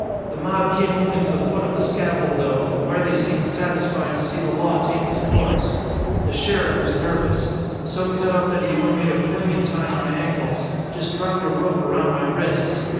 The mob came only to the foot of the scaffold though, from where they seemed satisfied to see the law take its course. The sheriff was nervous. So cut up that he only made a fling at tying my ankles, just dropped a rope around my wrists.